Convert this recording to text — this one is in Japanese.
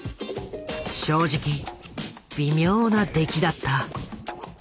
正直微妙な出来だった。